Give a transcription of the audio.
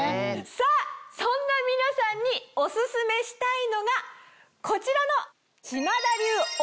さぁそんな皆さんにオススメしたいのがこちらの。